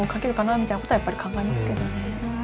みたいなことはやっぱり考えますけどね。